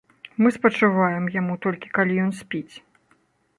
Мы спачуваем яму толькі калі ён спіць.